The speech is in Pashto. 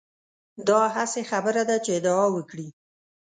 دا هسې خبره ده چې ادعا وکړي.